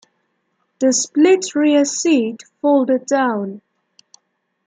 The split rear-seat folded down.